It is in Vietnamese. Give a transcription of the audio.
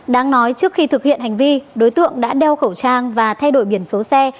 đáng nói trước khi thực hiện hành vi đối tượng đã đeo khẩu trang và thay đổi biển số xe